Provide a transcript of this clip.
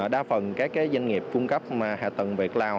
đa phần doanh nghiệp cung cấp hạ tầng về cloud